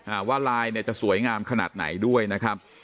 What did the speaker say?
ว่าลายเนี่ยจะสวยงามขนาดไหนด้วยนะครับ